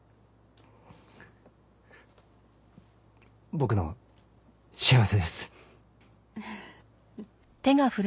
僕の幸せです。